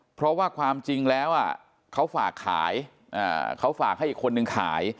เพราะว่าความจริงแล้วเขาฝากให้อีกคนนึงขาย